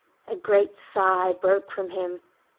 A great sigh broke from him.